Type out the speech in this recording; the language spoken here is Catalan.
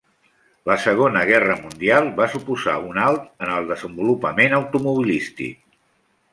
La Segona Guerra Mundial va suposar un alt en el desenvolupament automobilístic.